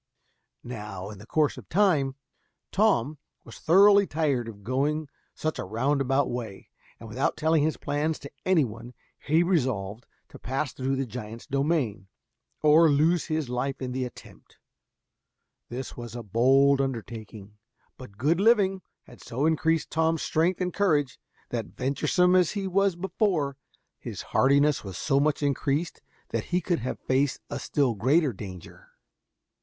Now, in the course of time, Tom was thoroughly tired of going such a roundabout way, and without telling his plans to any one, he resolved to pass through the giant's domain, or lose his life in the attempt. This was a bold undertaking, but good living had so increased Tom's strength and courage, that venturesome as he was before, his hardiness was so much increased that he would have faced a still greater danger.